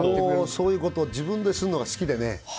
そういうこと自分でするのが好きで。